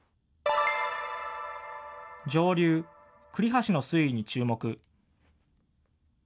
上流・栗橋の水位に注目。